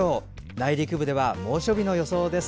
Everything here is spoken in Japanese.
内陸部では猛暑日の予想です。